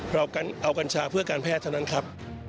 เราเอากัญชาเพื่อการแพทย์เท่านั้นครับ